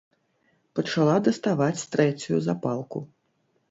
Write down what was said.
Пачала даставаць трэцюю запалку.